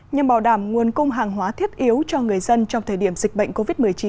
nhằm bảo đảm nguồn cung hàng hóa thiết yếu cho người dân trong thời điểm dịch bệnh covid một mươi chín